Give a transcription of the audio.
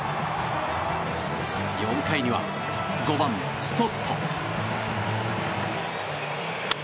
４回には５番、ストット。